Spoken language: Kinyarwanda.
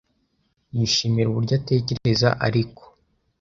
Yishimira uburyo atekereza ariko